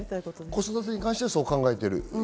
子育てに関してはそう考えている。